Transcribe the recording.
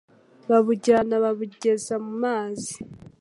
babujyana babugeza mu mazi.